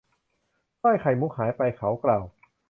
สร้อยไข่มุกหายไป เขากล่าว